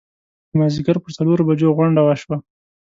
د مازیګر پر څلورو بجو غونډه وشوه.